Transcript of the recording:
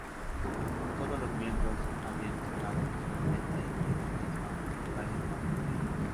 Todos los miembros habían tocado anteriormente en otras bandas locales más pequeñas.